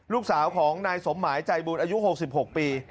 ลูกสาวของนายสมหมายใจบุญอายุ๖๖ปี